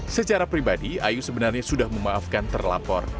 secara pribadi ayu sebenarnya sudah memaafkan terlapor